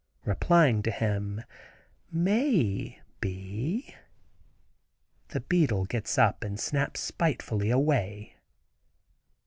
Replying to him "May bee," the beetle gets up and snaps spitefully away.